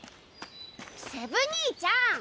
セブ兄ちゃん！